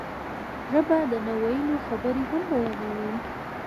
ژبه د نه ویلو خبرې هم بیانوي